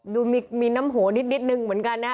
ดูมีน้ำโหนิดนึงเหมือนกันนะ